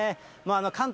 関東